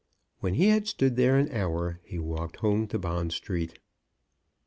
When he had stood there an hour, he walked home to Bond Street.